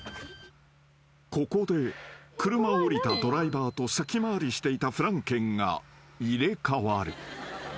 ［ここで車を降りたドライバーと先回りしていたフランケンが入れ替わる］